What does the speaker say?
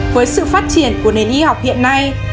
với sự phát triển của nền y học hiện nay